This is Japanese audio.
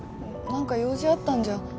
何か用事あったんじゃ？